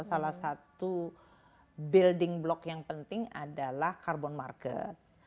salah satu building block yang penting adalah carbon market